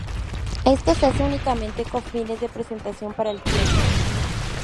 Esto se hace únicamente con fines de presentación para el cliente.